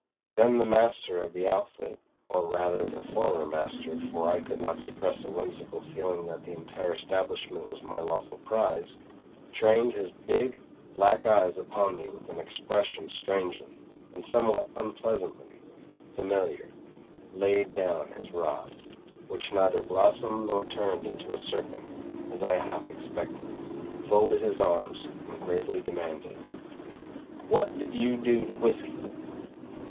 Then, the master of the outfit (or rather the former master, for I could not suppress a whimsical feeling that the entire establishment was my lawful prize) trained his big, black eyes upon me with an expression strangely, and somewhat unpleasantly, familiar, laid down his rod—which neither blossomed nor turned into a serpent, as I half expected—folded his arms, and gravely demanded, "W'at did you do to W'isky?"